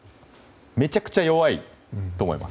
めちゃくちゃ弱いと思います。